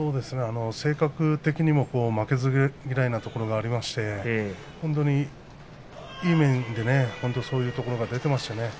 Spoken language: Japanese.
性格的にも、負けず嫌いなところがありまして本当にいい面でそういうところが出ています。